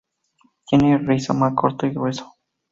Tiene rizoma corto y grueso.